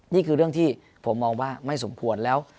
นี่คือเรื่องที่ผมมองว่าไม่สมควรแล้ว